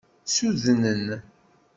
Ssudnen.